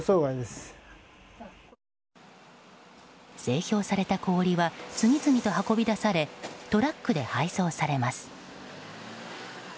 製氷された氷は次々と運び出されトラックで配送されます。